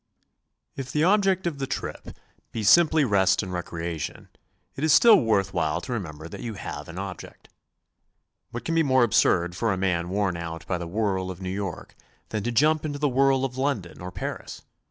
If the object of the trip be simply rest and recreation, it is still worth while to remember that you have an object. 7 WHY, WHO, AND WHEN TO GO. What can be more absurd for a man worn out by the whirl of New York than to jump into the whirl of London or Paris!